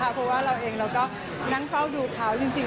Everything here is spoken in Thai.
เพราะว่าเราเองเราก็นั่งเฝ้าดูเขาจริง